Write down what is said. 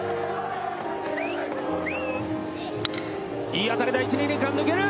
いい当たりだ一・二塁間抜ける。